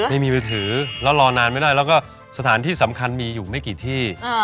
ไม่มีมือถือแล้วรอนานไม่ได้แล้วก็สถานที่สำคัญมีอยู่ไม่กี่ที่